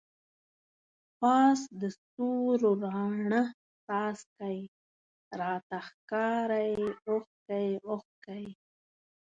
پاس دستورو راڼه څاڅکی، راته ښکاری اوښکی اوښکی